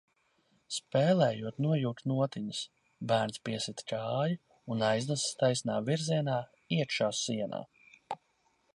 Spēlējot nojūk notiņas, bērns piesit kāju un aiznesas taisnā virzienā iekšā sienā...